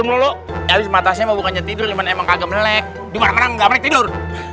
dulu matanya mau bukannya tidur memang kaget melek gimana tidak tidur